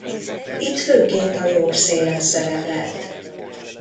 Itt főként a jobb szélen szerepelt.